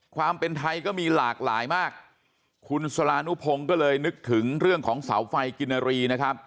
ความเป็นไทยก็มีหลากหลายมากคุณสลานุพงศ์ก็เลยนึกถึงเรื่องของเสาไฟกินรีนะครับ